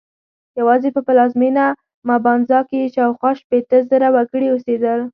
یوازې په پلازمېنه مبانزا کې یې شاوخوا شپېته زره وګړي اوسېدل.